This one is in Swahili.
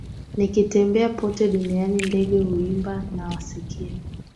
Nikitembea pote duniani, ndege huimba, nawasikia,